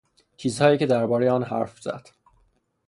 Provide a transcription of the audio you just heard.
چیزهایی که دربارهی آن حرف زد.